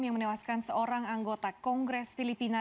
yang menewaskan seorang anggota kongres filipina